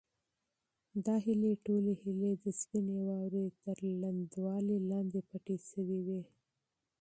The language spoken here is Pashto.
د هیلې ټولې هیلې د سپینې واورې تر لوندوالي لاندې پټې شوې وې.